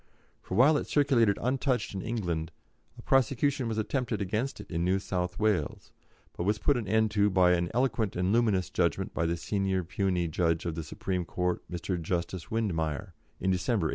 For while it circulated untouched in England, a prosecution was attempted against it in New South Wales, but was put an end to by an eloquent and luminous judgment by the senior puisne judge of the Supreme Court, Mr. Justice Windmeyer, in December, 1888.